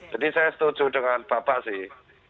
jadi saya setuju dengan bapak sih